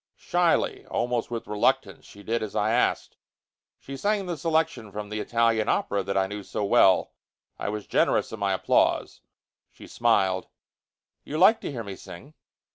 Shyly, almost with reluctance, she did as I asked. She sang the selection from the Italian opera that I knew so well. I was generous in my applause. She smiled. "You like to hear me sing?"